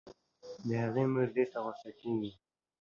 د هغې مور دې ته غو سه کيږي